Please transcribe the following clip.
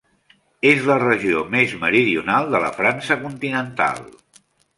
És la regió més meridional de la França continental.